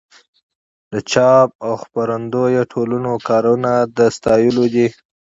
د چاپ او خپرندویه ټولنو کارونه د ستایلو دي.